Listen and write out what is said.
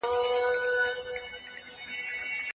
د دلارام بازار د سیمي د خلکو د اړتیاوو مرکز دی.